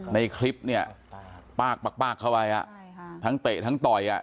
ในคลิปเนี้ยปากปากปากเข้าไปอ่ะใช่ค่ะทั้งเตะทั้งต่อยอ่ะ